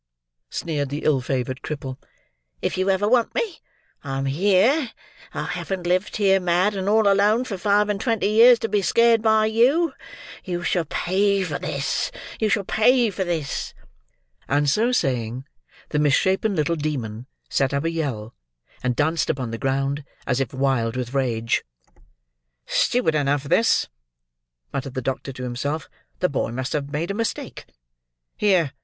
sneered the ill favoured cripple. "If you ever want me, I'm here. I haven't lived here mad and all alone, for five and twenty years, to be scared by you. You shall pay for this; you shall pay for this." And so saying, the mis shapen little demon set up a yell, and danced upon the ground, as if wild with rage. "Stupid enough, this," muttered the doctor to himself; "the boy must have made a mistake. Here!